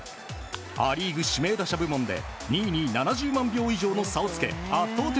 ア・リーグ指名打者部門で２位に７０万票以上もの差をつけ圧倒的